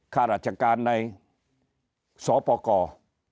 ข้ารัจจัดการในสอปกร